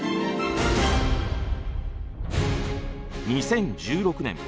２０１６年